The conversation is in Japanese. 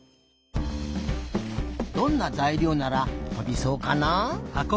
どんなざいりょうならとびそうかなあ？